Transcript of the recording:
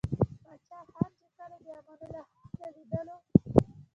پاچاخان ،چې کله دې امان الله خان له ليدلو o